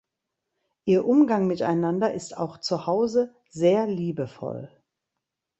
Ihr Umgang miteinander ist auch zuhause sehr liebevoll.